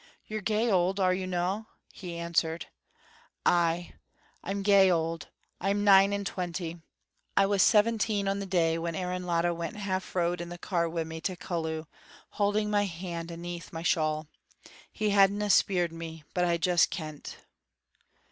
"You're gey auld, are you no'?" he answered. "Ay," she said, "I'm gey auld; I'm nine and twenty. I was seventeen on the day when Aaron Latta went half road in the cart wi' me to Cullew, hauding my hand aneath my shawl. He hadna spiered me, but I just kent."